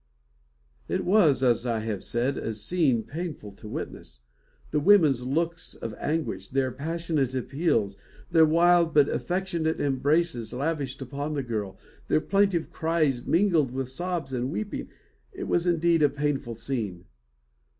It was, as I have said, a scene painful to witness; the women's looks of anguish, their passionate appeals, their wild but affectionate embraces lavished upon the girl, their plaintive cries mingled with sobs and weeping. It was indeed a painful scene.